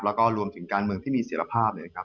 แล้วก็รวมถึงการเมืองที่มีเสียรภาพเนี่ยนะครับ